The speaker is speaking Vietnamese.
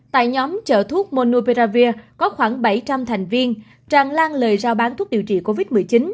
tại nhóm chợ thuốc monopearavir có khoảng bảy trăm linh thành viên tràn lan lời ra bán thuốc điều trị covid một mươi chín